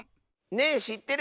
「ねぇしってる？」。